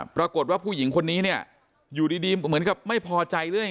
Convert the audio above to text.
ปรากฏว่าผู้หญิงคนนี้เนี่ยอยู่ดีเหมือนกับไม่พอใจเรื่อย